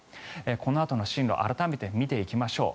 このあとの進路改めて見ていきましょう。